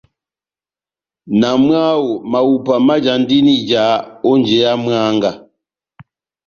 Na mwáho, mahupa majandini ija ó njeya mwángá.